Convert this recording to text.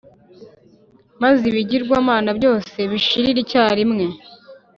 maze ibigirwamana byose bishirire icyarimwe.